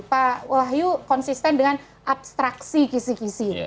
pak wahyu konsisten dengan abstraksi kisi kisi